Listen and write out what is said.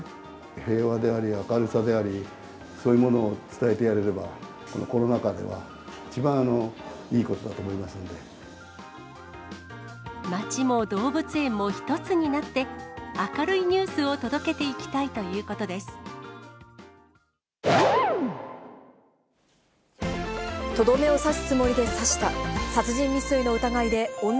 平和であり、明るさであり、そういうものを伝えてやれれば、このコロナ禍では、一番いいこと街も動物園も一つになって、明るいニュースを届けていきたいということです。